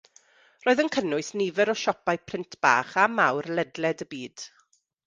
Roedd yn cynnwys nifer o siopau print bach a mawr ledled y byd.